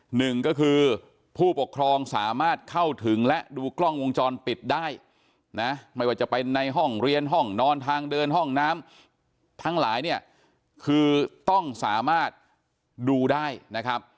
หนึ่งก็คือผู้ปกครองสามารถเข้าถึงและดูกล้องวงจรปิดได้นะไม่ว่าจะเป็นในห้องเรียนห้องนอนทางเดินห้องน้ำทั้งหลายเนี่ยคือต้องสามารถดูได้นะครับ